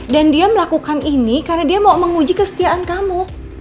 dan dia melakukan ini karena dia mau menguji kesetiaan kamu